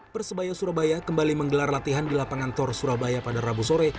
persebaya surabaya kembali menggelar latihan di lapangan tor surabaya pada rabu sore